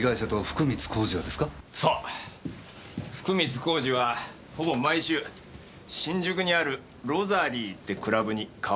福光公次はほぼ毎週新宿にある「ロザリー」ってクラブに顔を出してた。